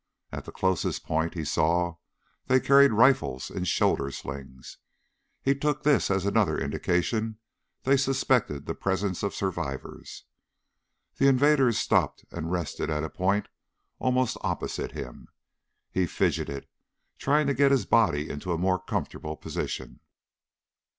At the closest point he saw they carried rifles in shoulder slings. He took this as another indication they suspected the presence of survivors. The invaders stopped and rested at a point almost opposite him. He fidgeted, trying to get his body into a more comfortable position.